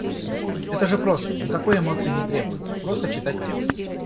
Это же просто, никакой эмоции не требуется, просто читать текст.